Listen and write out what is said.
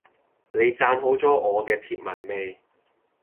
你讚好咗我嘅貼文未？